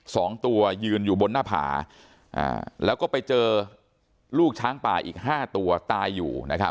สองตัวยืนอยู่บนหน้าผาอ่าแล้วก็ไปเจอลูกช้างป่าอีกห้าตัวตายอยู่นะครับ